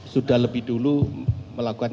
sudah lebih dulu melakukan